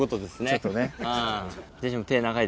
ちょっとね。